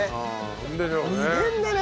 無限だね。